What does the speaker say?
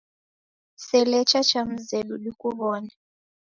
Sela cha mzedu dikuw'one.